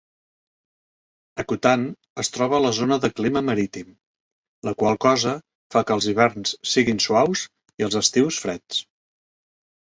Akutan es troba a la zona de clima marítim, la qual cosa fa que els hiverns siguin suaus i els estius freds.